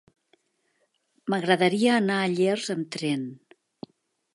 M'agradaria anar a Llers amb tren.